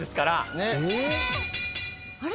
あれ？